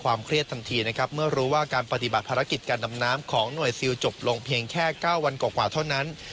เครียดทันทีนะครับเมื่อรู้ว่าการปฏิบัติภารกิจการดำน้ำของหน่วยซิลจบลงเพียงแค่๙วันกว่าเท่านั้น